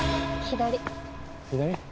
左？